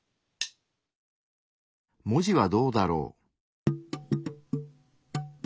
文字はどうだろう？